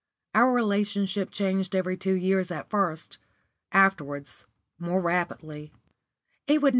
Our relationship changed every two years at first; afterwards, more rapidly.